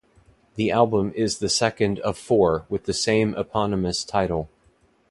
The album is the second of four with the same eponymous title.